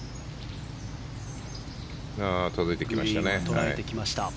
届いてきましたね。